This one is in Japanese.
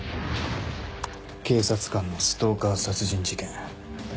警察官のストーカー殺人事件。